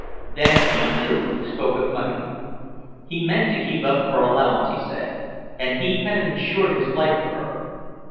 Then he, too, spoke of money. He meant to keep up her allowance, he said, and he had insured his life for her.